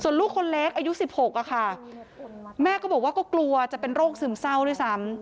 ลูกคนเล็กอายุ๑๖ค่ะแม่ก็บอกว่าก็กลัวจะเป็นโรคซึมเศร้าด้วยซ้ำ